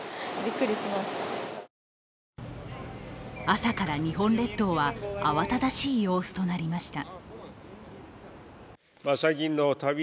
朝から日本列島は慌ただしい様子となりました。